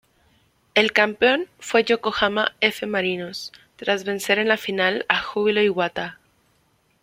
El campeón fue Yokohama F. Marinos, tras vencer en la final a Júbilo Iwata.